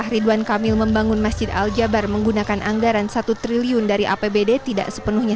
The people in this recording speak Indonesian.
ridwan kamil membangun masjid al jabar menggunakan anggaran satu triliun dari apbd tidak sepenuhnya